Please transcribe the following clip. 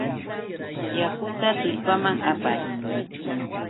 Yakutam tullpaaman apaa.